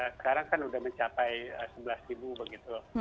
sekarang kan sudah mencapai sebelas ribu begitu